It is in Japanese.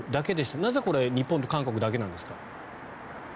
なぜこれ日本と韓国だけなんですか？